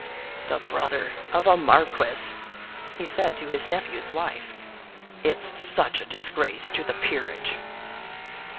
"The brother of a marquis!" he said to his nephew's wife. "It's such a disgrace to the peerage!"